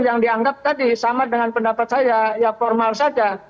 yang dianggap tadi sama dengan pendapat saya ya formal saja